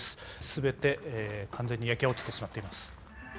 全て完全に焼け落ちてしまっています。